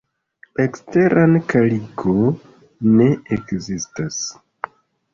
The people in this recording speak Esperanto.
Eksteran kaliko ne ekzistas.